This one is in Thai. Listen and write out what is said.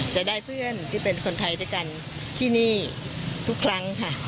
จะได้เพื่อนที่เป็นคนไทยด้วยกันที่นี่ทุกครั้งค่ะ